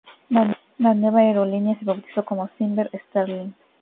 La nueva aerolínea se bautizó como Cimber-Sterling.